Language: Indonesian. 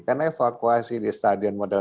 karena evakuasi di stadion model